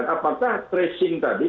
apakah tracing tadi